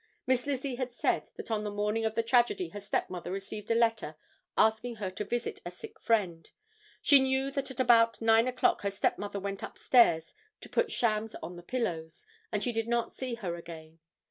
Miss Lizzie had said that on the morning of the tragedy her stepmother received a letter asking her to visit a sick friend. She knew that at about 9 o'clock her stepmother went upstairs to put shams on the pillows, and she did not see her again.